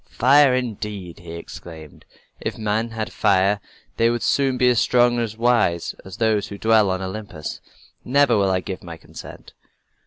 "Fire, indeed!" he exclaimed. "If men had fire they would soon be as strong and wise as we who dwell on Olympus. Never will I give my consent."